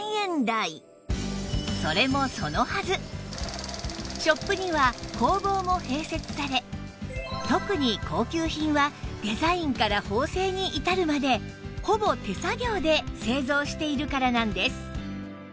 それもそのはずショップには工房も併設され特に高級品はデザインから縫製に至るまでほぼ手作業で製造しているからなんです